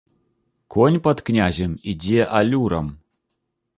Конь пад князем ідзе алюрам.